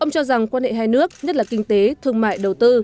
ông cho rằng quan hệ hai nước nhất là kinh tế thương mại đầu tư